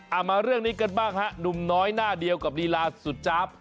มาเรื่องนี้กันบ้างฮะหนุ่มน้อยหน้าเดียวกับลีลาสุดจ๊าบ